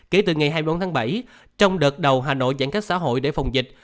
kể từ ngày hai mươi bốn tháng bảy trong đợt đầu hà nội giãn cách xã hội để phòng dịch